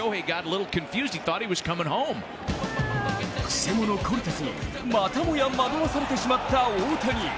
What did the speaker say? くせ者・コルテスにまたもや惑わされてしまった大谷。